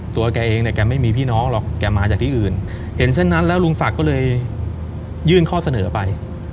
แกเองเนี่ยแกไม่มีพี่น้องหรอกแกมาจากที่อื่นเห็นเช่นนั้นแล้วลุงศักดิ์ก็เลยยื่นข้อเสนอไป